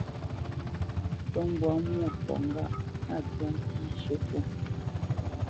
Ncú mbwǎ Mwôkɔ̌ ŋgâʼ a twá ntí shə̌ pó.